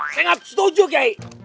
saya gak setuju kiai